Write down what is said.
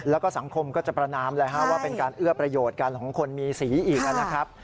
แล้วก็สังคมก็จะประนามเลยฮะว่าเป็นการเอื้อประโยชน์กันของคนมีสีอีกนะครับ